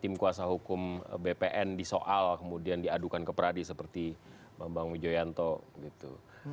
tim kuasa hukum bpn disoal kemudian diadukan ke pradi seperti mbak mbang mijoyanto gitu